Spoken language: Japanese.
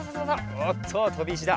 おっととびいしだ。